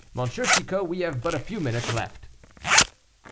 Chicot, we have but a few minutes left."